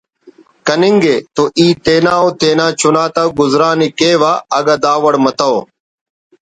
کننگے تو ای تینا و تینا چنا تا گزران ءِ کیوہ اگہ دا وڑ متو